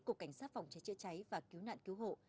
cục cảnh sát phòng cháy chữa cháy và cứu nạn cứu hộ